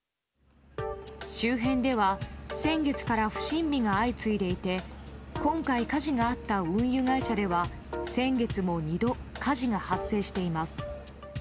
周辺では、先月から不審火が相次いでいて今回、火事があった運輸会社では先月も２度火事が発生しています。